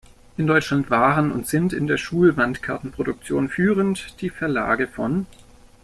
In Deutschland waren und sind in der Schulwandkarten-Produktion führend die Verlage von